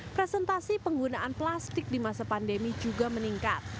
presentasi penggunaan plastik di masa pandemi juga meningkat